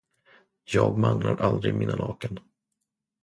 Jag manglar aldrig mina lakan.